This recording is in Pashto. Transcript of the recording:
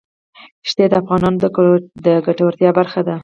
ښتې د افغانانو د ګټورتیا برخه ده.